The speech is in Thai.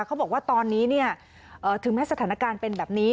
เขาบอกว่าตอนนี้ถึงแม้สถานการณ์เป็นแบบนี้